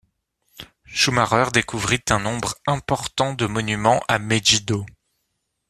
Schumacher découvrit un nombre important de monuments à Megiddo.